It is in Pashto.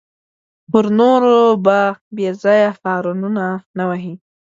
پر نورو به بېځایه هارنونه نه وهې.